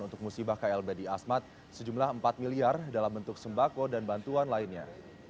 untuk musibah klb di asmat sejumlah empat miliar dalam bentuk sembako dan bantuan lainnya